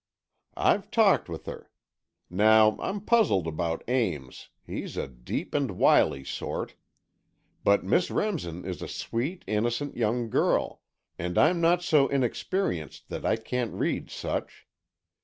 "I've talked with her. Now, I'm puzzled about Ames, he's a deep and wily sort. But Miss Remsen is a sweet, innocent young girl, and I'm not so inexperienced that I can't read such.